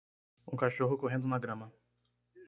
Um cachorro correndo na grama